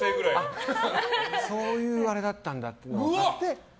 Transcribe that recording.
そういうあれだったんだって分かって